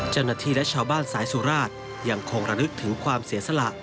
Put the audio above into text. เจ้าหน้าที่และชาวบ้านสายสุราชยังคงระลึกถึงความเสียสละ